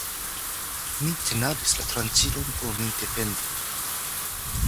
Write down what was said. Mi tenadis la tranĉilon por min defendi.